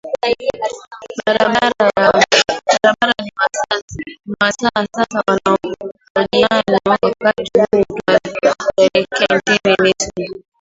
barabara ni wasaa sasa wa mahojiano na wakati huu twelekee nchini misri